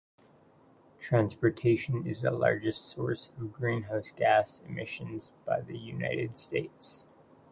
Transportation is the largest source of greenhouse gas emissions by the United States.